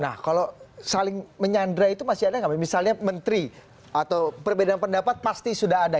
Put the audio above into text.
nah kalau saling menyandra itu masih ada nggak misalnya menteri atau perbedaan pendapat pasti sudah ada